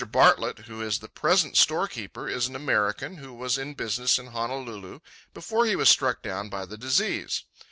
Bartlett, who is the present storekeeper, is an American who was in business in Honolulu before he was struck down by the disease.